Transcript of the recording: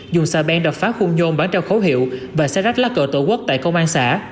dùng xe bèn đập phá khung nhôn bán trao khấu hiệu và xe rách lá cờ tổ quốc tại công an xã